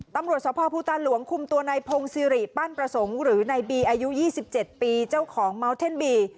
ตำรวจสภภูตาหลวงคุมตัวในพงศิริปั้นประสงค์หรือในบีอายุ๒๗ปีเจ้าของเมาส์เท่นบี